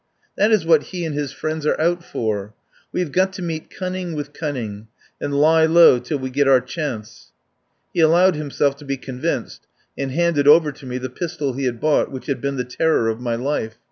That is what he and his friends are out for. We have got to meet cunning with cunning, and lie low till we get our chance." He allowed himself to be convinced, and handed over to me the pistol he had bought, which had been the terror of my life.